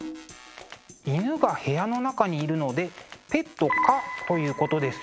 犬が部屋の中にいるのでペット可ということですよね。